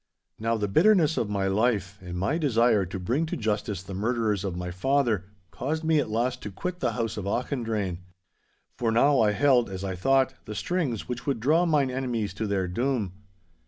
'Now, the bitterness of my life and my desire to bring to justice the murderers of my father caused me at last to quit the house of Auchendrayne. For now I held, as I thought, the strings which would draw mine enemies to their doom.